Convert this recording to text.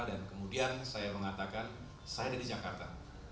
dan kemudian saya mengatakan saya ada di jakarta